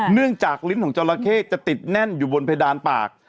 เนื่องจากลิ้นของจราเข้จะติดแน่นอยู่บนเพดานปาก